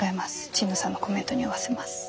神野さんのコメントに合わせます。